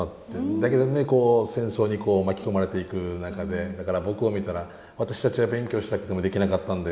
だけどねこう戦争に巻き込まれていく中でだから僕を見たら「私たちは勉強したくてもできなかったんだよ。